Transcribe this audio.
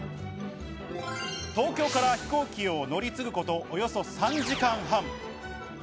東京から飛行機を乗り継ぐこと、およそ３時間半。